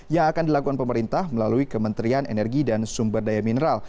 yang akan dilakukan pemerintah melalui kementerian energi dan sumber daya mineral